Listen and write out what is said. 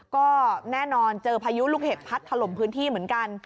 ก็แน่นอนเจอพายุลูกเห็บพัดถล่มพื้นที่เหมือนกัน